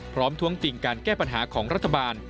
ท้วงติงการแก้ปัญหาของรัฐบาล